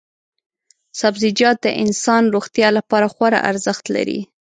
سبزیجات د انسان روغتیا لپاره خورا ارزښت لري.